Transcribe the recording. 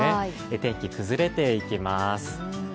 天気崩れていきます。